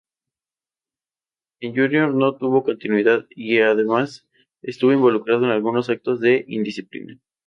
En Junior no tuvo continuidad, y además estuvo involucrado en algunos actos de indisciplina.